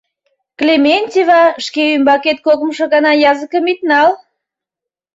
Клементьева, шке ӱмбакет кокымшо гана языкым ит нал.